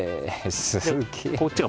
すげえ！